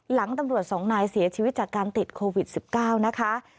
หลังตำรวจสองนายเสียชีวิตจากการติดโควิด๑๙นะคะ